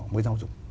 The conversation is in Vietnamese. mới giáo dục